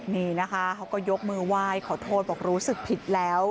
นี่นะคะเขาก็ยกมือไหว้ขอโทษบอกรู้สึกผิดแล้ว